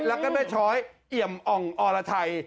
แล้วก็แม่ช้อยเอี่ยมอ่องอรไทย